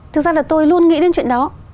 thực ra là tôi luôn nghĩ đến chuyện đó